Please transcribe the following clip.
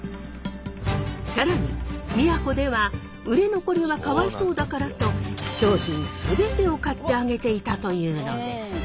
更に宮古では売れ残りはかわいそうだからと商品全てを買ってあげていたというのです。